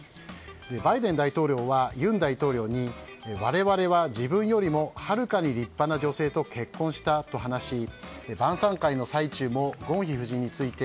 バイデン大統領は尹大統領に、我々は自分よりもはるかに立派な女性と結婚したと話し晩さん会の最中もゴンヒ夫人について